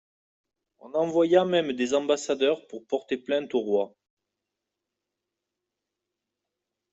On envoya même des ambassadeurs pour porter plainte au roi.